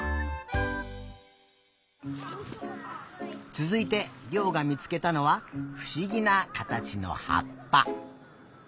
つづいてりょうがみつけたのはふしぎなかたちのはっぱ。